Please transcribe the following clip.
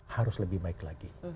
harus lebih baik lagi